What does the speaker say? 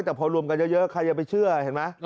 แต่พอรวมกันเยอะใครจะไปเชื่อเห็นไหม